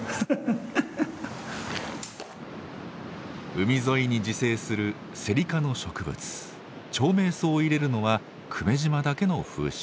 海沿いに自生するセリ科の植物長命草を入れるのは久米島だけの風習。